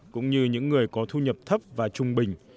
cũng như những người có thu nhập thấp và trung bình